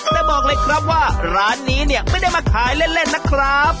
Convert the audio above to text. แต่บอกเลยครับว่าร้านนี้เนี่ยไม่ได้มาขายเล่นนะครับ